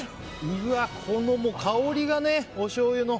うわ、この香りがねおしょうゆの。